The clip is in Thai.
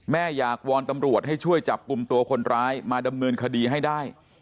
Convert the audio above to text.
อยากวอนตำรวจให้ช่วยจับกลุ่มตัวคนร้ายมาดำเนินคดีให้ได้